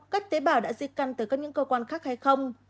cách tế bảo đã di cân tới các những cơ quan khác hay không